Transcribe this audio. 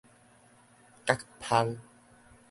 角蜂